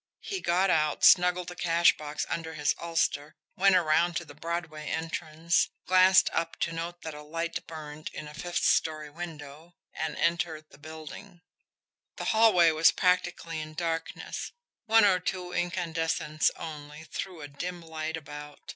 He got out, snuggled the cash box under his ulster, went around to the Broadway entrance, glanced up to note that a light burned in a fifth story window, and entered the building. The hallway was practically in darkness, one or two incandescents only threw a dim light about.